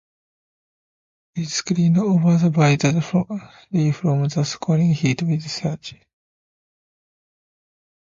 It is screened overhead by day from the scorching heat with shades.